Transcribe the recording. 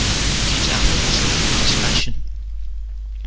who keeps athletes of the latest fashion